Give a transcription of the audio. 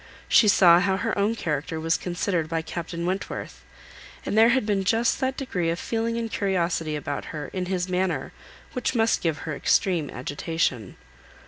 She saw how her own character was considered by Captain Wentworth, and there had been just that degree of feeling and curiosity about her in his manner which must give her extreme agitation.